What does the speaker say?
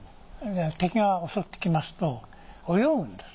敵が襲ってきますと泳ぐんです。